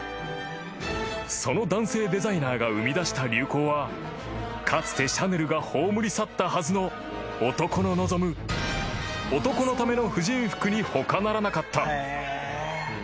［その男性デザイナーが生み出した流行はかつてシャネルが葬り去ったはずの男の望む男のための婦人服に他ならなかった］